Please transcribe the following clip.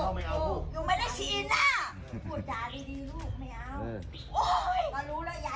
สิกี่กูไม่ได้ทำแล้วบอกกูทำอ่ะ